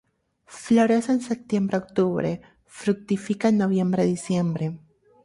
Florece en Septiembre-octubre, fructifica en Noviembre-diciembre.